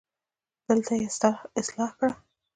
دلته يې اصلاح کړه